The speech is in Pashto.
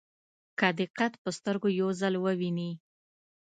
که دې قد په سترګو یو ځل وویني.